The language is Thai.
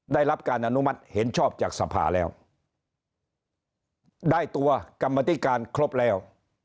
ได้รับการอนุมัติเห็นชอบจากสภาแล้วได้ตัวกรรมธิการครบแล้ว